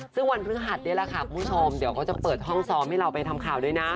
ซึ่งวันพฤหัสนี่แหละค่ะคุณผู้ชมเดี๋ยวเขาจะเปิดห้องซ้อมให้เราไปทำข่าวด้วยนะ